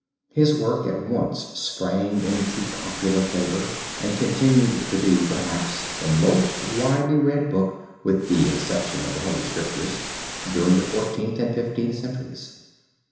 His work at once sprang into popular favor and continued to be perhaps the most widely read book, with the exception of the Holy Scriptures, during the Fourteenth and Fifteenth centuries.